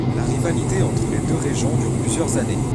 La rivalité entre les deux régents dure plusieurs années.